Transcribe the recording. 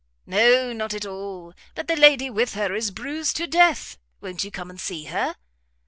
"No, not at all; but the lady with her is bruised to death; won't you come and see her?"